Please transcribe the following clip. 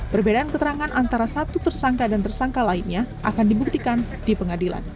perbedaan keterangan antara satu tersangka dan tersangka lainnya akan dibuktikan di pengadilan